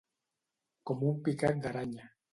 Com un picat d'aranya.